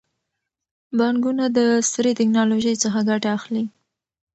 بانکونه د عصري ټکنالوژۍ څخه ګټه اخلي.